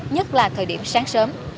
nhất là thời điểm sáng sớm